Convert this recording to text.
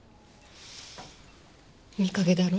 美影だろ？